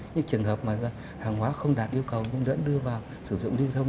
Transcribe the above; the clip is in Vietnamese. những trường hợp mà hàng hóa không đạt yêu cầu nhưng vẫn đưa vào sử dụng lưu thông